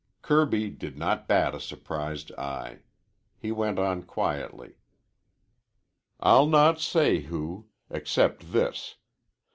Kirby did not bat a surprised eye. He went on quietly. "I'll not say who. Except this.